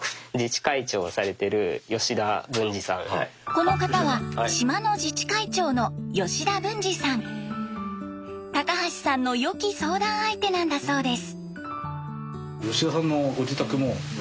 この方は島の自治会長の高橋さんのよき相談相手なんだそうです。